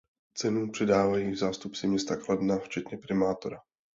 Cenu předávají zástupci města Kladna včetně primátora.